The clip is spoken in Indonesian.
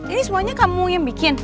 ini semuanya kamu yang bikin